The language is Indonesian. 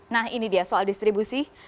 nah ini dia soal distribusi